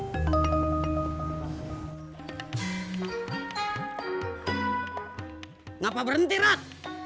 kenapa berhenti rot